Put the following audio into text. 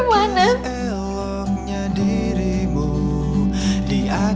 mulan kenapa mulan